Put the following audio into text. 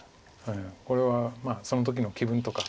これはその時の気分とか。